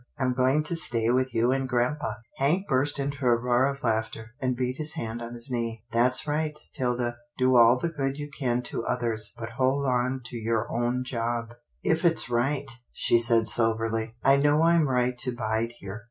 I'm going to stay with you and grampa." Hank burst into a roar of laughter, and beat his hand on his knee. " That's right, 'Tilda. Do all the good you can to others, but hold on to your own job." 50 'TILDA JANE'S ORPHANS " If it's right," she said soberly. " I know I'm right to bide here.